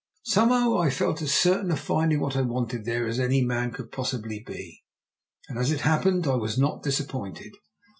Somehow I felt as certain of finding what I wanted there as any man could possibly be, and as it happened I was not disappointed.